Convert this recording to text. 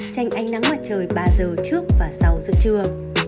tranh ánh nắng mặt trời ba giờ trước và sau giữa trưa